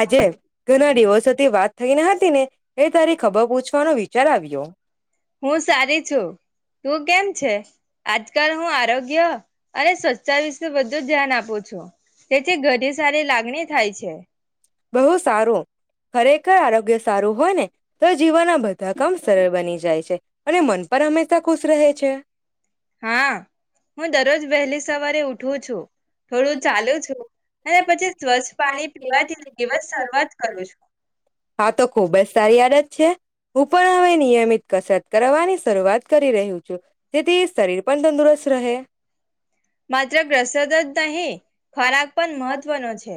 આજે ઘણા દિવસોથી વાત થઈન હતી ને એ તારી ખબર પૂછવાનો વિચાર આવ્યો હું સારી છું તું કેમ છે આજકાલ હું આરોગ્ય અને સ્વચ્છતા વિશે બધું ધ્યાન આપું છું તેથી ઘણી સારી લાગણી થાય છે બહુ સારું ખરેખર આરોગ્ય સારું હોય ને તો જીવનના બધા ધક્કમ સરળ બની જાય છે અને મન પર હંમેશા ખુશ રહે છે હા હું દરરોજ વહેલી સવારે ઉઠું છું થોડું ચાલુ છું અને પછી સ્વચ્છ પાણી પીવાથી શરૂઆત કરું છું [inaudible] હા તો ખુબ જ સા તારી આદત છે હું પણ હવે નિયમિત કસરત કરાવાની શરૂઆત કરી રહ્યું છું જેથી શરીર પણ તંદુરસ્ત [unintelligible] રહે માત્ર [inaudible] જ નહી ખોરાક પણ મહત્વનો છે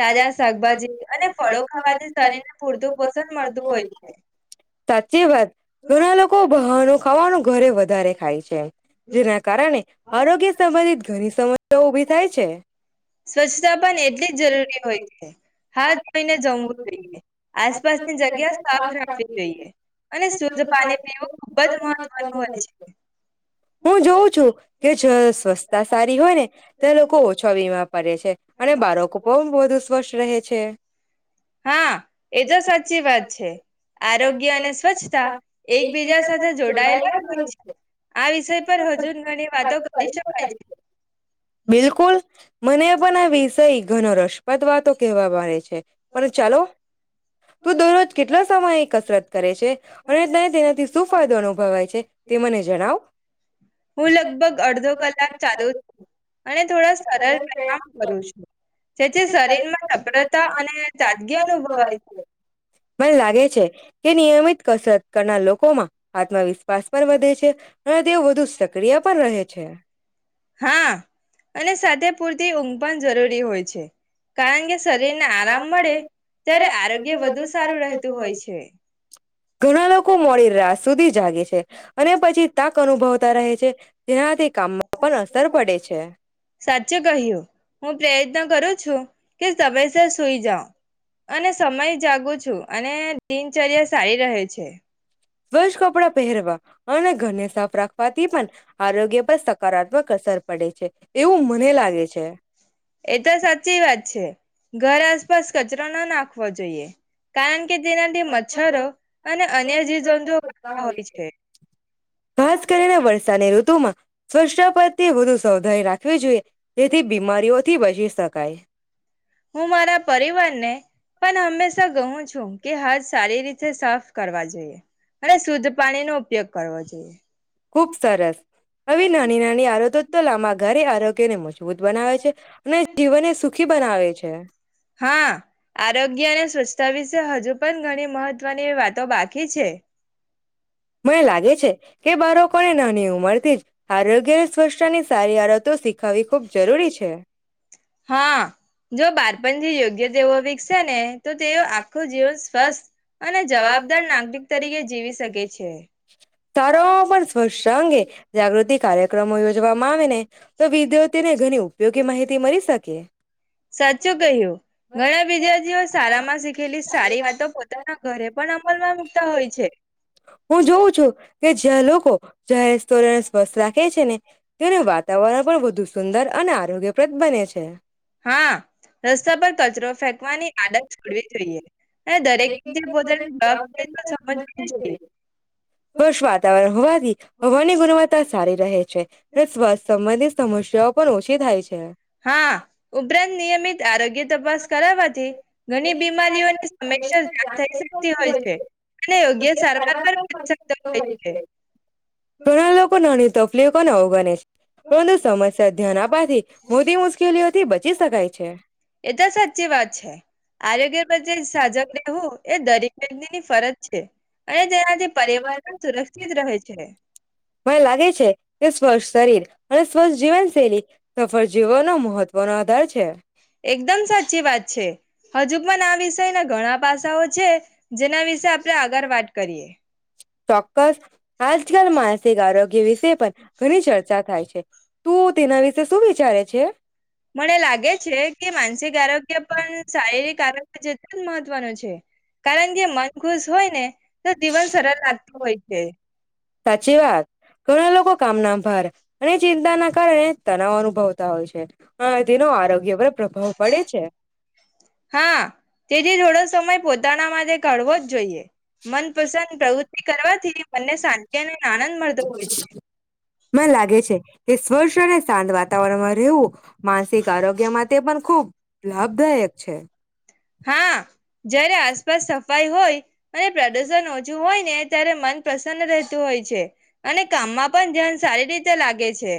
તાજા શાકભાજી અને ફળો ખાવાથી શરીરને પૂરતું પોષણ મળતું હોય છે. સાચી વાત ઘણા લોકો બહારનું ખાવાનું ઘરે વધારે ખાય છે જેના કારણે આરોગ્ય સંબંધિત ઘણી સમસ્યાઓ ઉભી થાય છે. સ્વચ્છતા હા જોઈને જમવું જોઈએ આસપાસની જગ્યા ખૂબ સાફ જ રાખવી જોઈએ અને શુદ્ધ પાણી પીવું ખુબ જ મહત્વનું હોય છે. હું જોઉં છું કે જ સ્વચ્છતા સારી હોય ને તો લોકો ઓછો વીમા પડે છે અને બાળકો પણ વધુ સ્વચ્છ છે. હા એ તો સાચી વાત છે આરોગ્ય અને સ્વચ્છતા એકબીજા સાથે જોડાયેલા જ હોય છે આ વિષય પર હજુ ઘણી વાતો કરી શકાય છે. કઈ ઘન રસ પદ વાતો અમારે છે. પણ ચાલો તું દરરોજ કેટલા સમય કસરત કરે છે અને તે તેનાથી શું ફાયદો અનુભવાય છે તે મને જણાવ હું લગભગ અડધો કલાક ચાલુ છું અને થોડા સરળ વ્યાયામ સભ્રતા અને તાજગી અનુભવાય મને લાગે છે કે નિયમિત કસરત કરનાર લોકોમાં આત્મવિશ્વાસ પણ વધે છે અને તેઓ વધુ સક્રિય પણ રહે છે. હા અને સાથે પૂરતી ઊંઘ પણ જરૂરી હોય છે. કારણ કે શરીર ને આરામ મળે ત્યારે આરોગ્ય વધુ સારું રહેતું હોય છે. ઘણા લોકો મોડી રાત સુધી જાગે છે અને પછી તક અનુભવતા રહે છે જેનાથી કામમાં પણ અસર પડે છે. ચે કહ્યું હું પ્રયત્ન કરું છું કે તમે સે સુઈ જાઓ અને સમય જાગું છું અને દિનચર્યા સારી રહે છે. સ્વચ્છ કપડાં પહેરવા અને ઘરને સાફ રાખવાથી પણ આરોગ્ય પર સકારાત્મક અસર પડે છે એવું મને લાગે છે. એ તો સાચી વાત છે ઘર આસપાસ કચરો ના નાખ ખવો જોઈએ. કારણ કે તેનાથી મચ્છરો અને અન્ય જીવ જં ખાસ કરીને વરસાની ઋત તોમા સ્વષ્ટ પતિ વધુ તધાઈ રાખવી જોઈએ. તેથી બીમારીઓ થી બચી શકાય. હું મારા પરિવારને પણ હમેશા હુ તો કહું છું કે હાથ સારી રીતે સાફ કરવા જોઈએ અને શુદ્ધ પાણીનો ઉપયોગ કરવો જોઈએ. ખુબ સરસ હવે નાની નાની આરોતો તો લાબા ઘરે આરોગ્ય ને મુજ જુધ બનાવે છે અને જીવનને સુખી બનાવે છે હા આરોગ્ય અને સ્વચ્છતા વિશે હજુ પણ ઘણી મહત્વની વાતો બાકી છે એ બાળકોને નાની ઉંમર થી જ આરોગ્ય સ્વચ્છતા ની સારી આડતો શીખાવવી ખૂબ જરૂરી છે જે યોગ્ય તેઓ વિકસે ને તો તેઓ આખું જીવન શાળાઓમાં સ્વસ્થ અને જવાબદાર નાગરિક પણ તરીકે જીવી શકે છે સ્વ્છ અંગે જાગૃતિ કાર્યક્રમો યોજવામાં આવે ને તો વિદ્યાર્થીને ઘણી ઉપયોગી માહિતી મળી શકે સાચું કહ્યું ઘણા વિદ્યાર્થીઓ શાળા માં શીખેલી સારી વાતો પોતાના ઘરે પણ અમલમાં મુકતા હોય છે [inaudible] જય સર સ્વસ્થ રાખે છે ને તેનું વાતાવરણ પણ વધુ સુંદર અને આરોગ્યપ્રદ બને છે છે હા રસ્તા પર કચરો ફેંકવાની આડત છોડવી જોઈએ અને દરેકે જે પોતાની સમજ જોઈએ વષ વાતાવરણ હોવાથી હોવાની ગુણવત્તા સારી રહે છે અને શ્વાસ સંબંધિત સમસ્યાઓ પણ ઓછી થાય છે. હા ઉપરાંત નિયમિત આરોગ્ય તપાસ કરવાથી ઘણી બીમારીઓની સમયસર જાણ થઈ શકતી હોય છે અને યોગ્ય સારવાર પણ મળી શકતો હોય છે ઘણા લોકો તકલી કોને હો ગણેશ મોટી મુશ્કેલીઓથી બચી શકાય છે. એ તો સાચી વાત છે આરોગ્ય પ્રે સાજક રહેવું એ દરેક વ્યક્તિની ફરજ છે અને તેનાથી પરવાર પરિવારમાં મને લાગે છે કે સ્પર્શ શરીર અને સ્વચ્છ જીવન શૈલી સફળ જીવનનો મહત્વનોો આધાર છે એકદમ સાચી વાત છે હજુ પણ આવીશ ના ઘણા પાસાઓ છે જેના વિશે આપડે આગળ વાત કરીએ ચોક્કસ આજ કલ માસે ગ વિશે પણ ઘણી ચર્ચા થાય છે તું તેના વિશે શું વિચારે છે મને લાગે છે કે માનસિક આરોગ્ય પણ શારીરિક આરોગ્ય મહત્વનું છે કારણ કે મન ખુશ હોય ને તો જીવન સરળ લાગતું હોય છે. સાચી વાત ઘણા લોકો કામના ભાર અને એ ચિંતા ના કરે ને તનાવ અનુભવતા હોય છે. હા તેનો આરોગ્ય પર પ્રભાવ પડે છે. હા તેથી થોડો સમય પોહચ તાણા માટે કવો જ જોઈએ મનપસંદ પ્રવૃતિ કરવાથી મને શાંતિને આનંદ મળતો હોય છે. મને લાગે છે કે સ્પર્શ અને સાત વાત વાતાવરણમાં રહેવું માનસિક આરોગ્યમાં તે પણ ખૂબ લાભદાયક છે. હા જ્યારે આસપાસ સફાઈ હોય અને પ્રદુષણ ઓછું હોય ને ત્યારે મન પ્રસન્ન રહેતું હોય છે અને કામમાં પણ ધ્યાન સારી રીતે લાગે છે.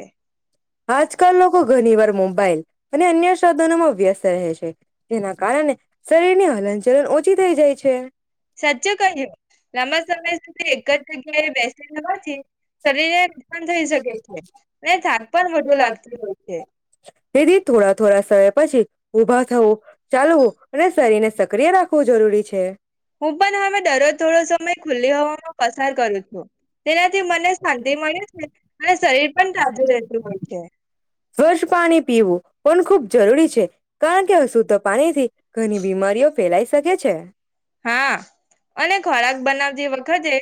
આજકાલ લોકો ઘણી વાર મોબાઈલ અને અન્ય સાધનોમાં વ્યસ્ત રહે છે. જેના કારણે શરીરની હલનચલન ઓછ ઓછી થઇ જાય છે. સાચચું કહ્યું લાંબા સમય સુધી એક જ જગ્યાએ બેસીવાથી શરીરને ઠકાન થઈ શકે છે ને થાક પણ મોટું લાગતું છે દે દી થોડા થોડા સમય પછી. ઉભા થવું ચાલવું અને શરીરને સક્રિય રાખવું જરૂરી છે. હું પણ હવે દરરોજ થોડો સમય ખુલ્લી હવામાં પસાર કરું છું તેનાથી મને શાંતિ મળે છે અને શરીર પણ તાજું રહેતું હોય છે સ્વચ્છ પાણી પીવું પણ ખુબ જરૂરી છે. છે. કારણ કે શુદ્ધ પાણી થી ઘણી બીમારીઓ ફેલાય શકે છે. હા અને ખોરાક બનાવતી વખતે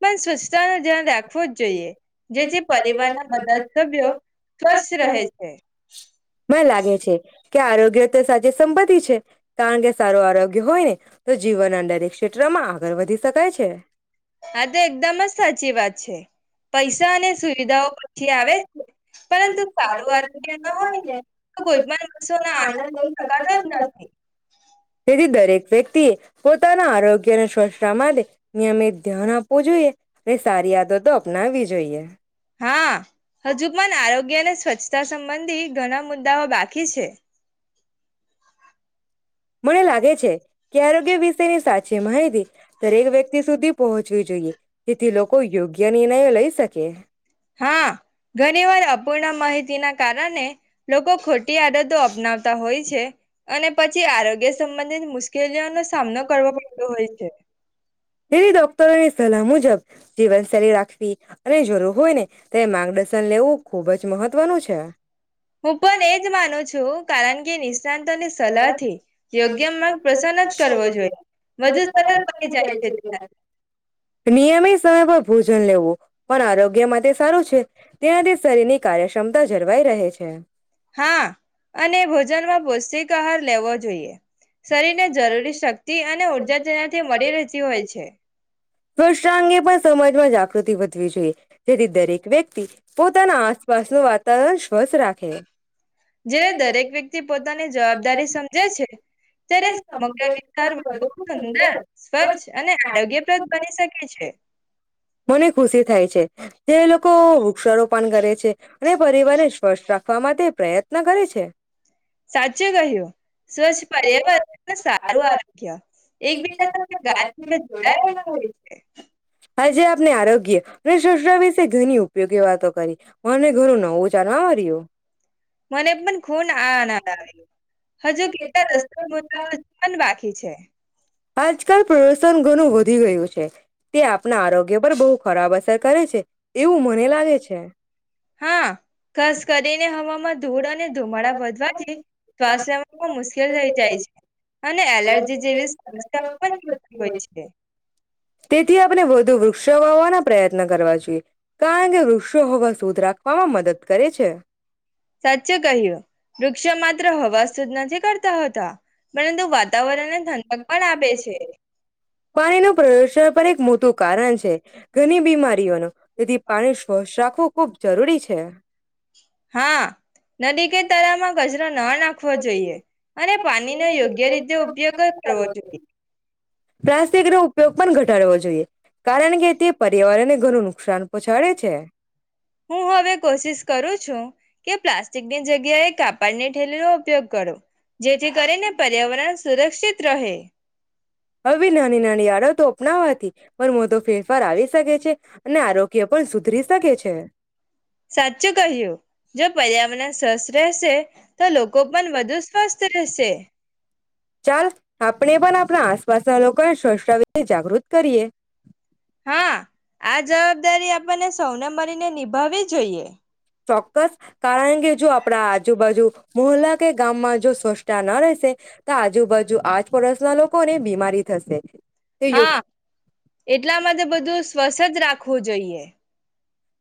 મન સ્વચ્છ તા નો ધ્યાન રાખવો જ જોઈએ. જેથી પરિવારના બધા સભ્યો સ્વસ્થ રહે છે. મને લાગે છે કે આરોગ્ય તો સાચી સંપતિ છે. કારણ કે સારું આરોગ્ય હોય ને તો જીવનના દરેક ક્ષેત્રમાં આગળ વધી શકાય છે. આ તો એકદમ જ સાચી વાત છે પૈસા અને સુવિધાઓ પછી આવે છે પરંતુ સારું આરોગ્ય ના હોયને કોઈ પણસો આનંદ શકાતો જ નથી. તેથી દરેક વ્યક્તિએ પોતાના આરોગ્યને સ્વથ પ્રમાદે નિમિત ધ્યાન આપવું જોઈએ, અ સારી યાદો તો અપનાવી જોઈએ. હા, હજુ પણ આરોગ્ય અને સ્વચ્છતા સંબંધી ઘણા મુદ્દાઓ બાકી છે. મને લાગે છે કે આરોગ્ય વિશેની સાચી માહિતી, દરેક વ્યક્તિ સુધી પહોંચવી જોઈએ, જેથી લોકો યોગ્ય નિર્ણયો લઈ શકે. હા ઘણી વાર અપૂર્ણા માહિતી ના કારણે લોકો ખોટી આડતો અપનાવતા હોય છે, અને પછી આરોગ્ય સંબંધિત મુશ્કેલી કેજના સામનો કરવાો પડતો હોય છે. હે ડોક્ટર સલાહ મુજબ, જીવનશૈલી રાખવી અને જરૂર હોય ને તે માર્ગદર્શન લેવું ખૂબ જ મહત્વનું છે. હું પણ એજ માનું છું. કારણ કે નિષ્ણાંતની સલાહ થી, યોગ્ય માર્ગ પ્રસન્ન જ કરવો જોઈએ, મજુ સર બ જાય છે. નિયમિત સમય પર ભોજન લેવું. પણ આરોગ્ય માટે સારું છે, તેનાથી શરીર કાર્ય ક્ષમતા જળવાઈ રહે છે. નમાં પૌષ્ટિક આહાર લેવો જોઈએ. શરીરને જરૂરી શક્તિ અને ઉર્જા તેનાથી મળી રહેતી હોય છે. ફષ્ટ અંગે પણ સમાજમાં જાગૃતિ વધવી જોઈએ. જેથી દરેક વ્યક્તિ પોતાના આસપાસનું વાતાવરણ સ્વસ્થ રાખે. જ્યારે દરેક વ્યક્તિ પોતાની જવાબદારી સમજે છે ત્યારે સમગ્ર વિસ્તાર વધુ સુંદર સ્વચ્છ અને આરોગ્યપ્રદ બની શકે છે. મને ખુશી થાય છે. જે લોકો વૃક્ષારોપણ કરે છે, અને પરિવારને સ્વસ્થ રાખવા માટે પ્રયત્ન કરે છે. સાચું કહ્યું, સ્વચ્છ પર્યાવરણ સારું આરોગ્ય, એકબજા સાથે હા જે આપને આરોગ્ય અને શ વિશે ઘણી ઉપયોગી વાતો કરી, મને ઘરું નવું ચાલ આવર્યું. મને પણ ખૂન આનંદ આવે હજુ કેટલા રસ્તા બાકી છે આજ કલ પ્રદૂશન [unintelligible] ઘણું વધી ગયું છે. આપ ના આરોગ્ય પર બહુ. ખરાબ અસર કરે છે. એવું મને લાગે છે હા ખાસ કરીને હવામાં ધૂળ અને ધુમાડા વધવાથી શ્વાસ લેવામાં મુશ્કેલ થઈ જાય છે અને એલર્જી જેવી સમસ્યા પણ હોય છે. તેથી આપણે [inaudible] વધુ વૃક્ષો વાવાના પ્રયત્ન કરવા જોએ. કા કેે રઋષો હવા દૂધ રાખવામાં મદદ કરે છે. સાચો કહ્યું વૃક્ષો માત્ર હવા સુધ નથી કરતાતા. તા. છે પાણીનું પ્રદૂષણ પણ એક મોટું કારણ છે ઘણી બીમારીઓનું તેથી પાણી સ્વસ્્છ રાખવું ખૂબ જરૂરી છે. હા નદી કે તરામાં કચરો ન નાખવો જોઈએ અને પાણી ન યોગ્ય ઉપયોગ કરવો જોઈએ. પ્લાસ્ટિક નો ઉપયોગ પણ ઘટ કરવો જોઈએ. કારણ કે તે પર્યાવરણને ઘણું નુકસાન પહોંચાડે છે. હું હવે કોશિશ કરું છું. કે પ્લાસ્ટિકની જગ્યાએ કાપડની ઠેલી નો ઉપયોગ કરો. જેથી કરી ને પર્યાવરણ સુરક્ષિત રહે. હવે નાની નાની આડો તો અપનાવાથી. પણ મો તોો ફેરફાર આવી શકે છે અને આરોગ્ય પણ સુધરી શકે છે. સાચું કહ્યું જો પર્યાવરણ સસ વસે. તો લોકો પણ વધુ સ્વસ્થ રહેશે. પાછ લોકો સષ્ જાગૃત કરીએ. હા આ જવાબદારી આપણને સૌને મળ ચોક્કસ કારણ કે જો આપણા આજુબાજુ મોહલ્લા કે ગામમાં જો સ્વચ્છતા ન રહેશે તો આજુબાજુ આસપડોશના લોકો ને બીમારી થશે. તે યોગ હા એટલા માટે બધું સ્વસ્ જ રાખ ખો જઈએ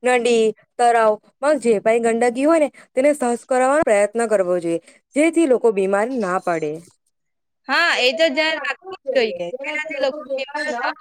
નડી તરાવ જે કઈ ગંદકી હોય ને તેને સહસ કરવાનો પ્રયત્ન કરવો જોઈએ જેથી લોકો બીમાર ના પડે [inaudible] હા એ તો ધ્યાન રાખવું જ જોઈએ જેનાથી લોકો બીમાર ન